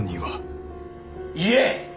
「言え！」